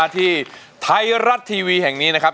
ที่ไทยรัฐทีวีแห่งนี้นะครับ